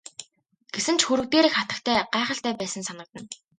Гэсэн ч хөрөг дээрх хатагтай гайхалтай байсан санагдана.